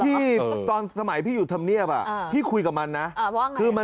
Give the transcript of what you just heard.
ที่ตอนสมัยพี่อยู่ธรรมเนียบพี่คุยกับมันนะคือมัน